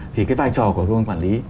thì cái vai trò của công an quản lý